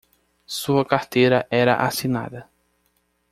Sua carteira era assinada